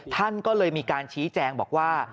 ท่านก็เลยมีการชี้แจงบอกว่า